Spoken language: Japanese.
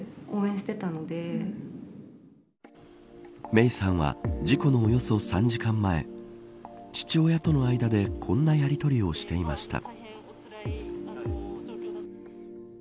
芽生さんは事故のおよそ３時間前父親との間でこんなやりとりをしていました。